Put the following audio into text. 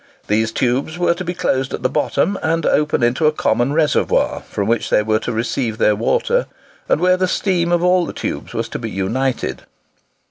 These tubes were to be closed at the bottom, and open into a common reservoir, from which they were to receive their water, and where the steam of all the tubes was to be united.